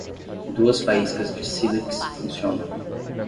Duas faíscas de sílex funcionam.